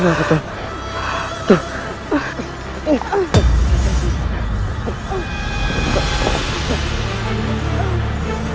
aku tidak akan meninggalkanmu